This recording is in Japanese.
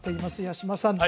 八嶋さん